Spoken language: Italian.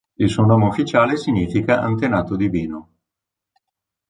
Il suo nome ufficiale significa "Antenato divino".